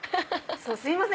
すいません